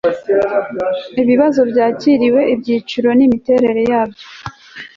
ibibazo byakiriwe ibyiciro n imiterere yabyo